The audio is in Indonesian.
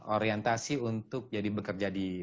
orientasi untuk jadi bekerja di